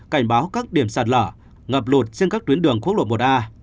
cảnh báo các điểm sạt lở ngập lụt trên các tuyến đường quốc lộ một a